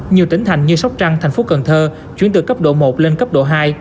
nhiều tỉnh thành như sóc trăng thành phố cần thơ chuyển từ cấp độ một lên cấp độ hai